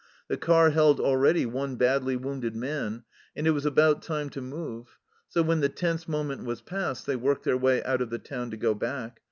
The car held already one badly wounded man, and it was about time to move, so when the tense moment was past they worked their way out of the town to go back.